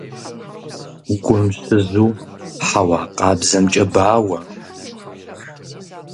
Гум щызу хьэуа къабзэмкӀэ бауэ.